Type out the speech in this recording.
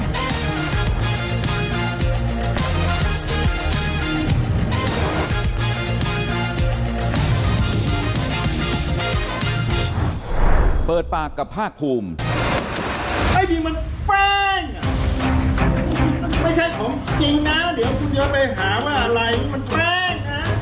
มันแปลงอ่ะไม่ใช่ของจริงนะเดี๋ยวคุณเดี๋ยวไปหาว่าอะไรมันแปลงอ่ะเนี่ย